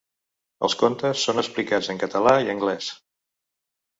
Els contes són explicats en català i anglès.